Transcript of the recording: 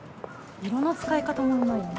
色の使い方もうまいよな。